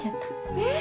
えっ！